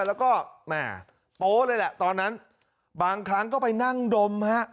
แล้วก็แหม่โป๊เลยแหละตอนนั้นบางครั้งก็ไปนั่งดมฮะ